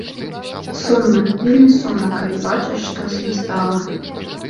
Сумна, вельмі сумна, калі бачыш, што з ім стала.